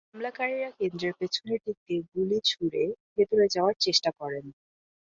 হামলাকারীরা কেন্দ্রের পেছনের দিক দিয়ে গুলি ছুড়ে ভেতরে যাওয়ার চেষ্টা করেন।